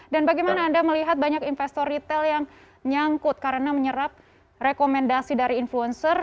dan bagaimana anda melihat banyak investor retail yang nyangkut karena menyerap rekomendasi dari influencer